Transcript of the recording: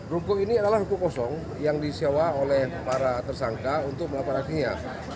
rukun ini adalah hukum kosong yang disewa oleh para tersangka untuk melakukan aslinya